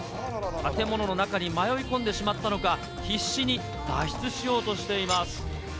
建物の中に迷い込んでしまったのか、必死に脱出しようとしています。